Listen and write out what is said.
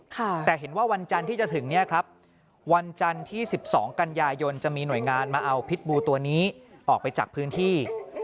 แต่เห็นว่าวันจันทร์ที่จะถึงเนี่ยครับวันจันทร์ที่๑๒กันยายนจะมีหน่วยงานมาเอาพิษบูตัวนี้ออกไปจากพื้นที่